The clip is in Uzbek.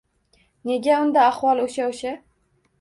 Nega unda ahvol o‘sha-o‘sha?